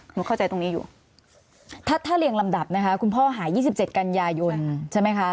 หนูเข้าใจตรงนี้อยู่ถ้าถ้าเรียงลำดับนะคะคุณพ่อหายยี่สิบเจ็ดกันยายนใช่ไหมคะ